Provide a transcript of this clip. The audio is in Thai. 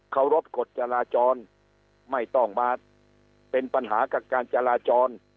รบกฎจราจรไม่ต้องมาเป็นปัญหากับการจราจร